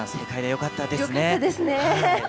よかったですね。